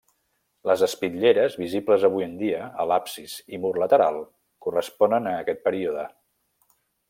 Les espitlleres visibles avui en dia a l'absis i mur lateral, corresponen a aquest període.